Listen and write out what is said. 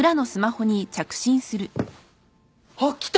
あっ来た！